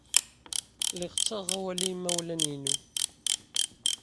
Lliɣ ttaɣeɣ awal i yimawlan-inu.